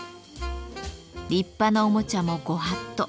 立派なおもちゃもご法度。